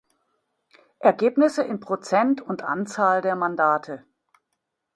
Ergebnisse in Prozent und Anzahl der Mandate.